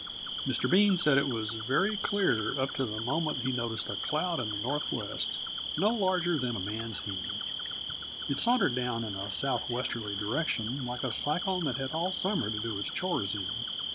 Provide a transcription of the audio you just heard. Mr. Bean said it was very clear up to the moment that he noticed a cloud in the northwest no larger than a man's hand. It sauntered down in a southwesterly direction like a cyclone that had all summer to do its chores in.